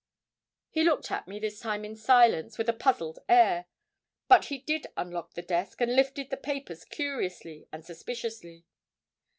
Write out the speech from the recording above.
He looked at me this time in silence, with a puzzled air; but he did unlock the desk, and lifted the papers curiously and suspiciously.